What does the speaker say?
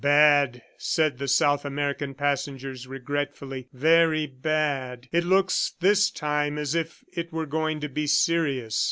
"Bad!" said the South American passengers regretfully. "Very bad! It looks this time as if it were going to be serious!"